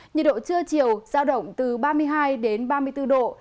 nhiệt độ trưa chiều giao động từ ba mươi hai đến ba mươi bốn độ